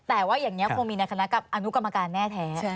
แต่ว่าอย่างนี้คงมีในคณะอนุกรรมการแน่แท้